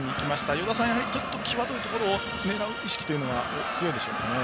与田さん、やはりちょっと際どいところを狙う意識が強いでしょうかね。